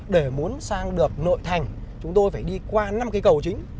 để muốn sang được nội thành chúng tôi phải đi qua năm cây cầu chính